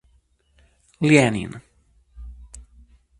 Lenin.